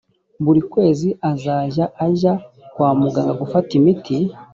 buri kwezi azajya ajya kwa muganga gufata imiti